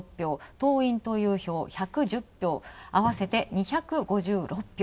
党員・党友票１１０票、合わせて２５６票。